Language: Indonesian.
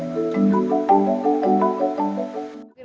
industri pariwisata di krui berjalan lambat